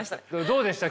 どうでした？